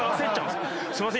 すいません。